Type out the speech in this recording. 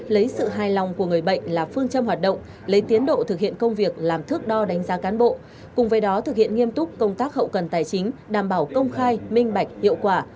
lấy sự hài lòng của người bệnh là phương châm hoạt động lấy tiến độ thực hiện công việc làm thước đo đánh giá cán bộ cùng với đó thực hiện nghiêm túc công tác hậu cần tài chính đảm bảo công khai minh bạch hiệu quả